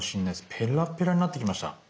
ペラッペラになってきました。